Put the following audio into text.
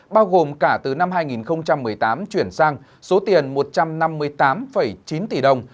bao gồm cả từ năm hai nghìn một mươi tám chuyển sang số tiền một trăm năm mươi tám chín tỷ đồng